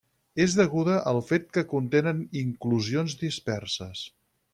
És deguda al fet que contenen inclusions disperses.